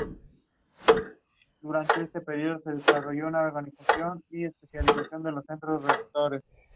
Sin embargo, en el caso de los vegetales, son un nutriente esencial.